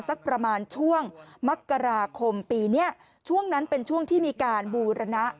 สักประมาณช่วงมักกราคมปีนี้ช่วงนั้นเป็นช่วงที่มีการบูรณะ